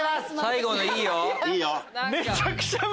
最後のいいよ！